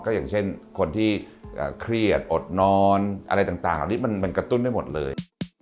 อย่างเช่นคนที่เครียดอดนอนอะไรต่างนี่มันกระตุ้นได้หมดเลย